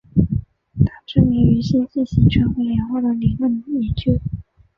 她知名于星系形成和演化的理论研究。